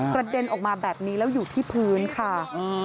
เด็นออกมาแบบนี้แล้วอยู่ที่พื้นค่ะ